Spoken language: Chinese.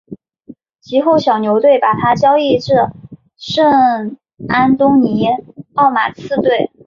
及后小牛队把他交易至圣安东尼奥马刺队。